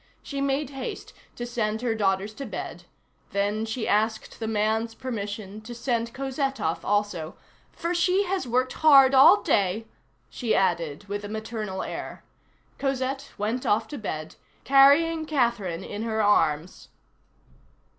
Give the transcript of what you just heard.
She made haste to send her daughters to bed, then she asked the man's permission to send Cosette off also; "for she has worked hard all day," she added with a maternal air. Cosette went off to bed, carrying Catherine in her arms.